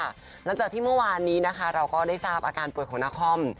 หลังจากที่เมื่อวานนี้นะคะเราก็ได้ทราบอาการป่วยของนคร